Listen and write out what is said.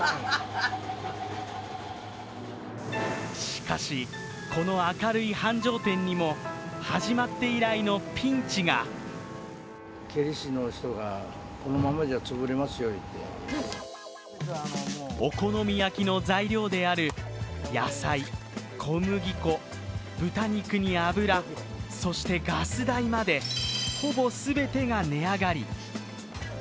しかし、この明るい繁盛店にも始まって以来のピンチがお好み焼きの材料である野菜、小麦粉、豚肉に油、そしてガス代までほぼ全てが値上がり。